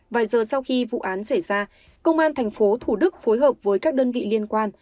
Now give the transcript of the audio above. vài giờ sau khi vụ án xảy ra công an tp thủ đức phối hợp với các đơn vị liên quan